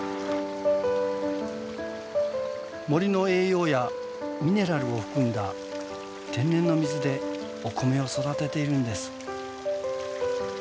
森の栄養やミネラルを含んだ天然の水でお米を育てているんです。